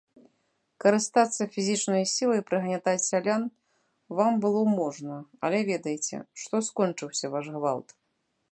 Карыстацца фізічнай сілай, прыгнятаць сялян вам было можна, але ведайце, што скончыўся ваш гвалт!